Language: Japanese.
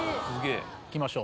いきましょう